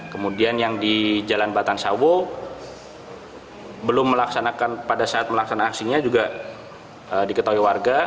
kemudian yang di jalan batan sawo belum melaksanakan pada saat melaksanakan aksinya juga diketahui warga